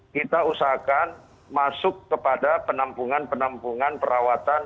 kita usahakan masuk kepada penampungan penampungan perawatan